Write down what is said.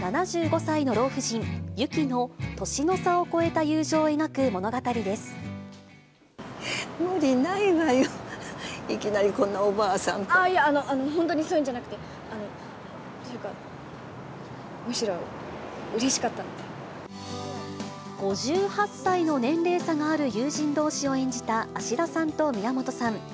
７５歳の老婦人、雪の、年の差を超えた友情を無理ないわよ、いや、あの、本当にそういうんじゃなくて、っていうか、５８歳の年齢差がある友人どうしを演じた芦田さんと宮本さん。